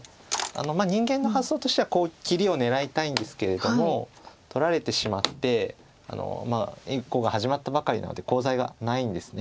人間の発想としては切りを狙いたいんですけれども取られてしまって碁が始まったばかりなのでコウ材がないんです。